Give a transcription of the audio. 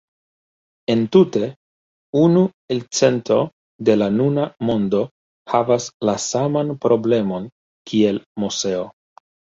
Entute, unu elcento de la nuna mondo havas la saman problemon kiel Moseo.